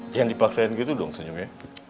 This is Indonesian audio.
jangan dipaksain gitu dong senyumnya